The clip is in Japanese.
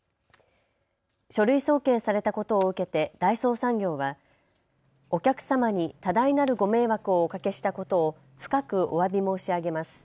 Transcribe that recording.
書類送検されたことを受けて大創産業はお客様に多大なるご迷惑をおかけししたことを深くおわび申し上げます。